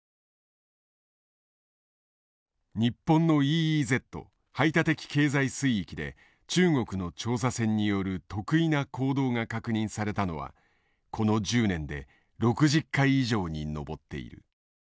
日本のＥＥＺ排他的経済水域で中国の調査船による特異な行動が確認されたのはこの１０年で６０回以上に上っている。